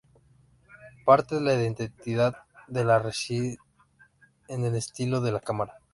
Parte de la identidad de la serie reside en el estilo de la cámara.